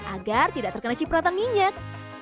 agar tidak terkena cipratan minyak